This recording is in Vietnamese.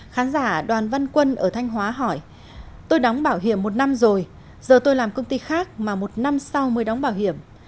khán giả đoàn văn quân ở thanh hóa hỏi tôi đóng bảo hiểm một năm rồi giờ tôi làm công ty khác mà một năm sau mới đóng bảo hiểm